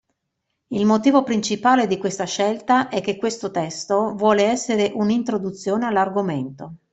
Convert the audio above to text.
Il motivo principale di questa scelta è che questo testo vuole essere un'introduzione all'argomento.